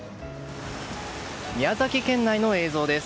宮崎県内の映像です。